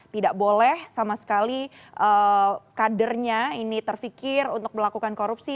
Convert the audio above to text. tidak boleh sama sekali kadernya ini terfikir untuk melakukan korupsi